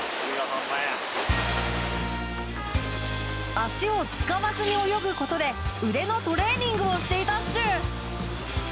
足を使わずに泳ぐ事で腕のトレーニングをしていたっシュ！